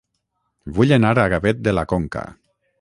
Vull anar a Gavet de la Conca